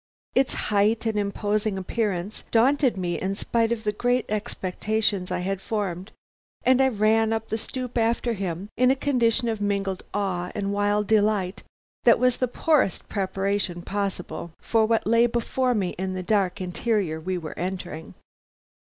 Its height and imposing appearance daunted me in spite of the great expectations I had formed, and I ran up the stoop after him in a condition of mingled awe and wild delight that was the poorest preparation possible for what lay before me in the dark interior we were entering.